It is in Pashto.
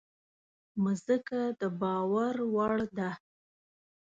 مځکه د باور وړ ده.